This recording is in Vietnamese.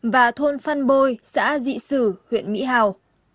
phan bôi xã dị sử huyện mỹ hảo